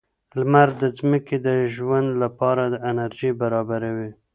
لمر د ځمکې د ژوند لپاره انرژي برابروي.